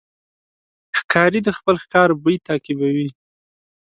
ښکاري د خپل ښکار بوی تعقیبوي.